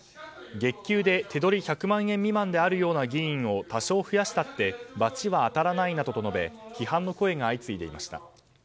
月給で手取り１００万円未満であるような議員を多少増やしたってばちは当たらないなどと述べ批判の声が相次いでいました。